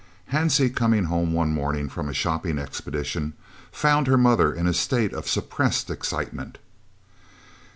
Hansie coming home one morning from a shopping expedition, found her mother in a state of suppressed excitement.